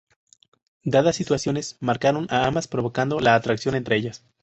Dadas situaciones marcaron a ambas provocando la atracción entre ellas.